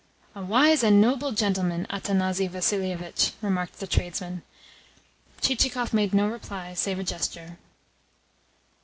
"A wise and noble gentleman, Athanasi Vassilievitch!" remarked the tradesman. Chichikov made no reply save a gesture.